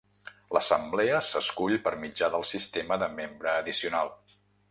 L"assemblea s"escull per mitjà del sistema de membre addicional.